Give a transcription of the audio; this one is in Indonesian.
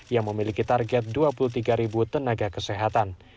yang memiliki target dua puluh tiga tenaga kesehatan